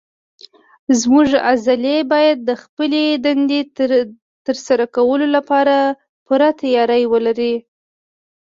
زموږ عضلې باید د خپلې دندې تر سره کولو لپاره پوره تیاری ولري.